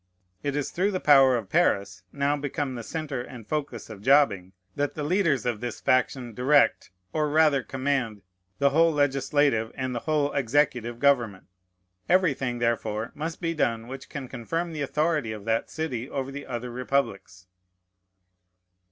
It is through the power of Paris, now become the centre and focus of jobbing, that the leaders of this faction direct, or rather command, the whole legislative and the whole executive government. Everything, therefore, must be done which can confirm the authority of that city over the other republics.